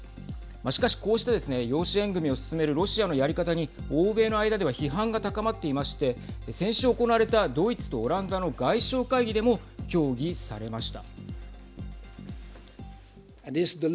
しかし、こうしたですね養子縁組を進めるロシアのやり方に欧米の間では批判が高まっていまして先週行われたドイツとオランダの外相会議でも協議されました。